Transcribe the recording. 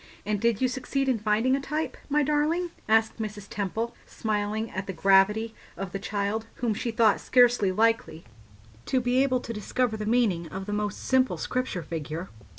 "And did you succeed in finding a type, my darling?" asked Mrs. Temple, smiling at the gravity of the child, whom she thought scarcely likely to be able to discover the meaning of the most simple Scripture figure.